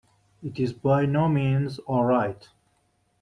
It is by no means all right.